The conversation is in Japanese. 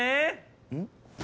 うん？